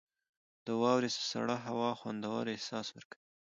• د واورې سړه هوا خوندور احساس ورکوي.